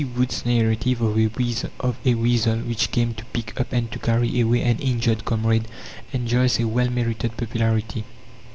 Wood's narrative of a weasel which came to pick up and to carry away an injured comrade enjoys a well merited popularity.